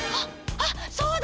あっそうだ！